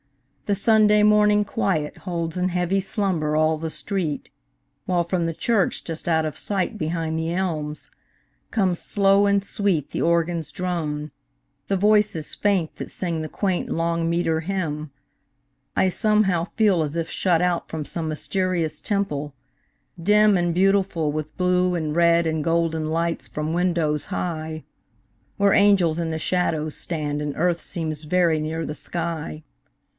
The Sunday morning quiet holds In heavy slumber all the street, While from the church, just out of sight Behind the elms, comes slow and sweet The organ's drone, the voices faint That sing the quaint long meter hymn I somehow feel as if shut out From some mysterious temple, dim And beautiful with blue and red And golden lights from windows high, Where angels in the shadows stand And earth seems very near the sky.